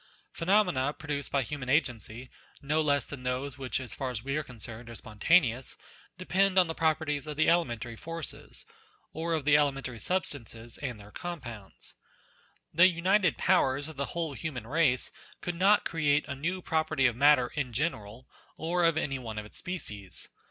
Phenomena produced by human agency, no less than those which as far as we are concerned are spontaneous, depend on the properties of the elementary forces, or of the elementary substances and their compounds. The united powers of the whole human race could not create a new property of matter in general, or of any one of its species.